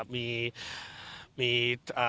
มี